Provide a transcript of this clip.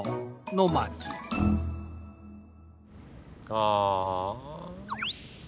ああ。